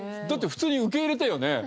だって普通に受け入れたよね。